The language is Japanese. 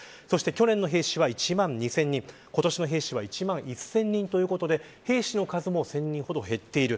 去年の兵士は１万２０００人今年は１万１０００人ということで兵士の数も１０００人ほど減っている。